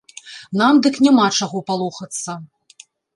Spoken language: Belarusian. Нам дык няма чаго палохацца.